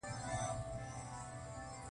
د کوټې له لارې د کندهار پر لور حرکت وکړ.